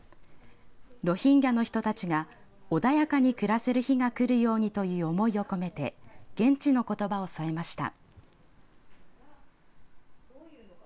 ロヒンギャの人たちが穏やかに暮らせる日がくるようにという思いを込めて現地の言葉を添えました。